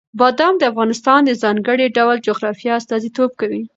بادام د افغانستان د ځانګړي ډول جغرافیه استازیتوب کوي.